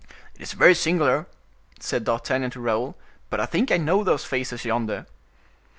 "It is very singular," said D'Artagnan to Raoul, "but I think I know those faces yonder."